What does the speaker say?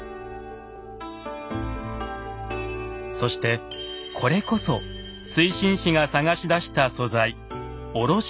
そしてこれこそ水心子が探し出した素材卸鉄。